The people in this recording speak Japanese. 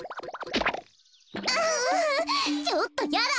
ちょっとやだ。